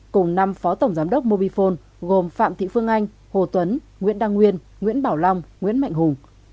cùng năm phó tổng giám đốc mobifone gồm phạm thị phương anh hồ tuấn nguyễn đăng nguyên nguyễn bảo long nguyễn mạnh hùng